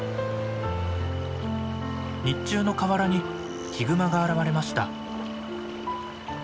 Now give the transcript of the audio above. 日中の河原にヒグマが現れました。